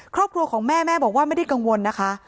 ครอบครัวของแม่แม่บอกว่าไม่ได้กังวลนะคะ